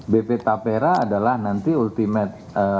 bp tapera adalah nanti ultimate